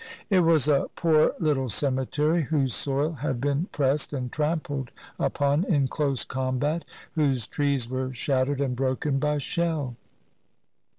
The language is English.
It was a poor little cemetery whose soil had been pressed and trampled upon in close combat, whose trees were shattered and broken by shell.